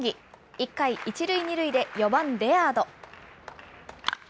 １回、１塁２塁で４番レアード。